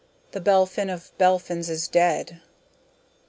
"The Belphin of Belphins is dead."